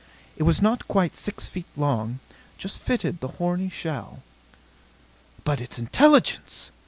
It was not quite six feet long; just fitted the horny shell. "But its intelligence!"